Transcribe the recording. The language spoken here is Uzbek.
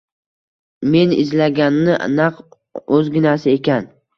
Men izlaganni naq o'zginasi ekan.